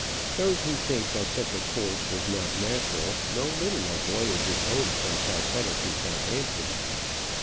Those who think that such a course was not natural know little of voyages home from Calcutta to Southampton.